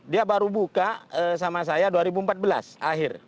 dia baru buka sama saya dua ribu empat belas akhir